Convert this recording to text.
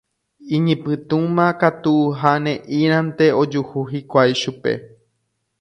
Iñipytũma katu ha ne'írãnte ojuhu hikuái chupe.